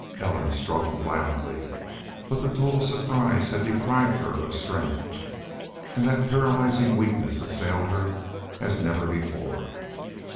Ellen struggled violently, but the total surprise had deprived her of strength. And that paralyzing weakness assailed her as never before.